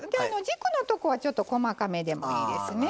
軸のとこはちょっと細かめでもいいですね。